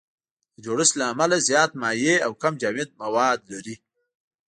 د جوړښت له امله زیات مایع او کم جامد مواد لري.